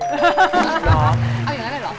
เอาอย่างนั้นเลยเหรอ